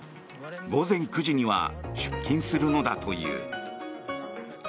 午前９時には出勤するのだという。